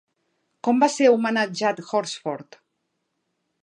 Com va ser homenatjat Horsford?